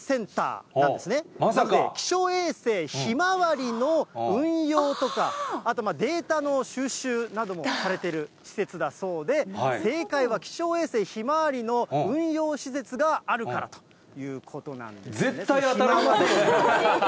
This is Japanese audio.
気象衛星ひまわりの運用とか、あとデータの収集などもされてる施設だそうで、正解は気象衛星ひまわりの運用施設があるからということなんです絶対当たりませんよね。